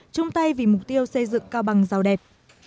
chung tay vì mục tiêu xây dựng cao bằng giàu đẹp